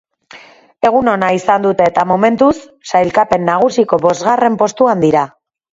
Egun ona izan dute eta momentuz, sailkapen nagusiko bosgarren postuan dira.